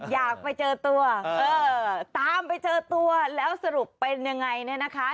อยากไปเจอตัวเออตามไปเจอตัวแล้วสรุปเป็นยังไงเนี่ยนะคะ